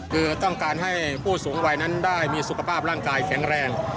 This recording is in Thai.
คือต้องการให้ผู้สูงวัยนั้นได้มีสุขภาพร่างกายแข็งแรง